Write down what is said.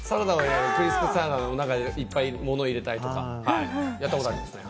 クリスプサラダの中にいっぱい入れたりとか、やったことありますね。